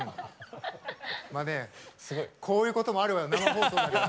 こういうこともあるわよ生放送だから。